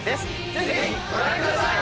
ぜひご覧ください！